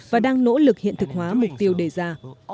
và đang nỗ lực hiện thực hóa mục tiêu đề ra